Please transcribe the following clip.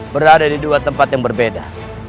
berada di dua tempat yang berbeda